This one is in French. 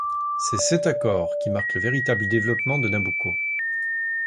C'est cet accord qui marque le véritable développement de Nabucco.